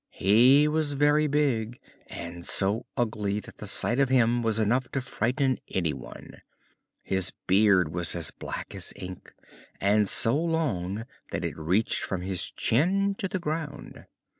He was very big, and so ugly that the sight of him was enough to frighten anyone. His beard was as black as ink, and so long that it reached from his chin to the ground.